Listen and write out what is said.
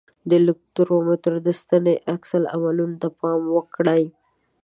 د الکترومتر د ستنې عکس العمل ته پام وکړئ.